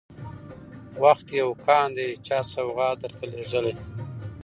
وخت يو كان دى چا سوغات درته لېږلى